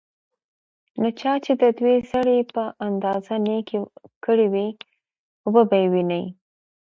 نو چا چې دیوې ذرې په اندازه نيکي کړي وي، وبه يې ويني